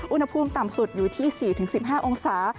อุณหภูมิต่ำสุดอยู่ที่๔๑๕องศา